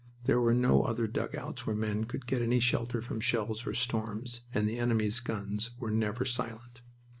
There were no other dugouts where men could get any shelter from shells or storms, and the enemy's guns were never silent.